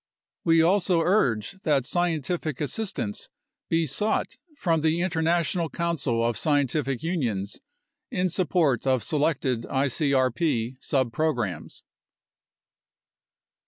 We also urge that scientific assistance be sought from the International Council of Scientific Unions in support of selected icrp subprograms.